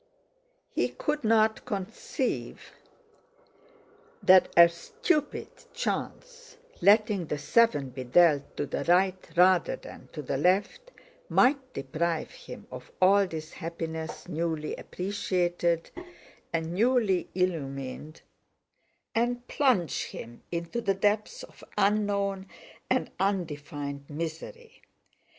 He could not conceive that a stupid chance, letting the seven be dealt to the right rather than to the left, might deprive him of all this happiness, newly appreciated and newly illumined, and plunge him into the depths of unknown and undefined misery.